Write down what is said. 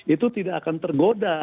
itu tidak akan tergoda